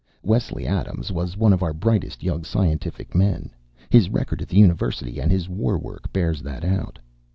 "Wesley Adams was one of our brightest young scientific men. His record at the university and his war work bears that out.